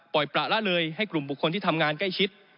ประละเลยให้กลุ่มบุคคลที่ทำงานใกล้ชิด